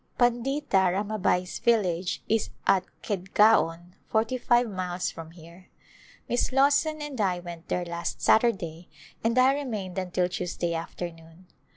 A Glimpse of India Pandlta Ramabai's village is at Khedgaon, forty five miles from here. Miss Lawson and I went there last Saturday and I remained until Tuesday afternoon.